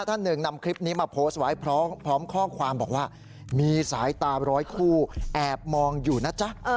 ท่านหนึ่งนำคลิปนี้มาโพสต์ไว้พร้อมข้อความบอกว่ามีสายตาร้อยคู่แอบมองอยู่นะจ๊ะ